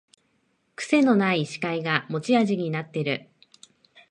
くせのない司会が持ち味になってる